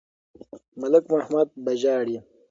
ملک محمد به ژاړي.